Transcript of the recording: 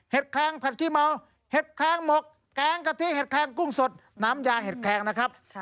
แคงผัดขี้เมาเห็ดแคงหมกแกงกะทิเห็ดแคงกุ้งสดน้ำยาเห็ดแคงนะครับ